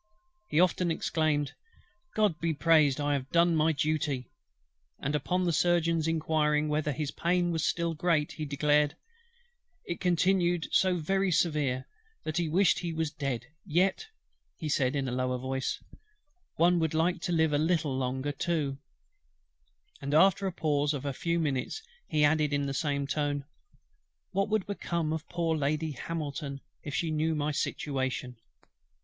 He often exclaimed, "GOD be praised, I have done my duty;" and upon the Surgeon's inquiring whether his pain was still very great, he declared, "it continued so very severe, that he wished he was dead. Yet," said he in a lower voice, "one would like to live a little longer, too:" and after a pause of a few minutes, he added in the same tone, "What would become of poor Lady HAMILTON, if she knew my situation!"